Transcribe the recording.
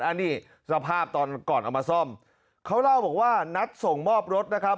อันนี้สภาพตอนก่อนเอามาซ่อมเขาเล่าบอกว่านัดส่งมอบรถนะครับ